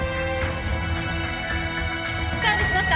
チャージしました。